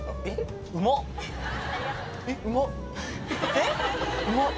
えっうまっ。